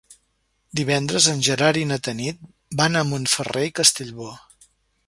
Divendres en Gerard i na Tanit van a Montferrer i Castellbò.